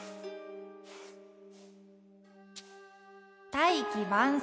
「大器晩成」。